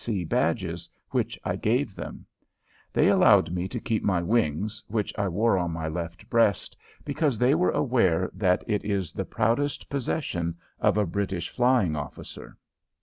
F. C. badges, which I gave them. They allowed me to keep my "wings," which I wore on my left breast, because they were aware that that is the proudest possession of a British flying officer.